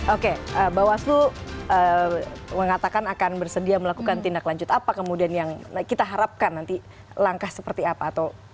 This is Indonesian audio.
oke bawaslu mengatakan akan bersedia melakukan tindak lanjut apa kemudian yang kita harapkan nanti langkah seperti apa